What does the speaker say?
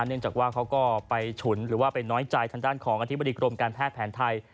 เนื่องจากว่าเขาก็ไปฉุนหรือว่าไปน้อยใจทางด้านของอธิบดีกรมการแพทย์แผนไทย